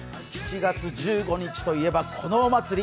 ７月１５日といえばこのお祭り。